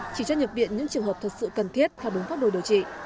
chỉ cho nhập viện những trường hợp thật sự cần thiết theo đúng pháp đồ điều trị